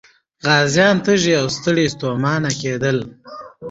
غازيان تږي او ستړي ستومانه کېدل.